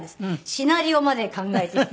シナリオまで考えて。